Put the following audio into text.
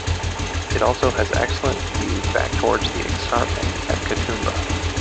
It also has excellent views back towards the escarpment at Katoomba.